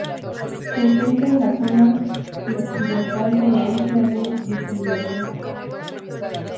Se encuentra en la zona suroccidental de la isla de Viti Levu.